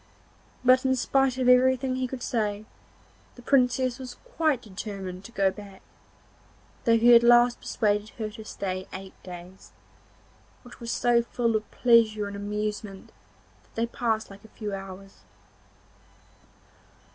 But, in spite of everything he could say, the Princess was quite determined to go back, though he at last persuaded her to stay eight days, which were so full of pleasure and amusement that they passed like a few hours.